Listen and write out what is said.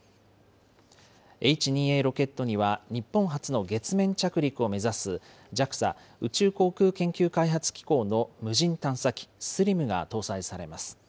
Ｈ２Ａロケットには、日本初の月面着陸を目指すＪＡＸＡ・宇宙航空研究開発機構の無人探査機ＳＬＩＭが搭載されます。